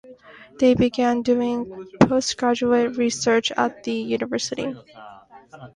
He then began doing postgraduate research at the university.